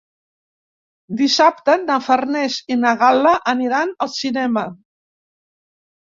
Dissabte na Farners i na Gal·la aniran al cinema.